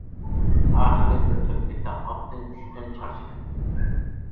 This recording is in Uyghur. ئاخىرى بىر تۆپىلىكتە ئاتتىن چۈشتۈم، چارچىدىم.